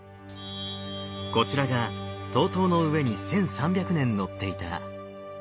こちらが東塔の上に１，３００年のっていた水煙。